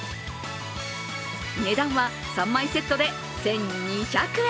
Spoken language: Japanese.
値段は３枚セットで１２００円。